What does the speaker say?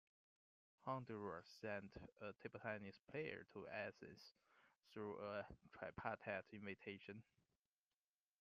Honduras sent a table tennis player to Athens through a tripartite invitation.